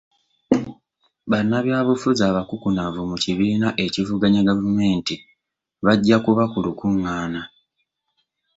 Bannabyabufuzi abakukunavu mu kibiina ekivuganya gavumenti bajja kuba ku lukungaana.